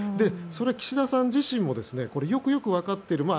岸田さん自身もこれをよくよく分かっている。